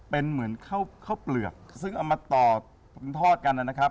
เป็นเหมือนข้าวข้าวเปลือกซึ่งเอามาต่อทอดกันนะครับ